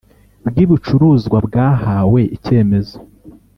bw ibicuruzwa bwahawe icyemezo